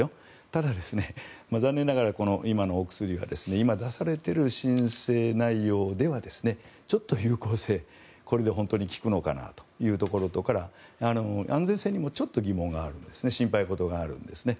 ただ、残念ながら今のお薬は今出されている申請内容ではちょっと有効性これで本当に効くのかなと安全性にもちょっと疑問が心配事があるんですね。